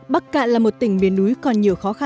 bắc cạn là một tỉnh miền núi còn nhiều khó khăn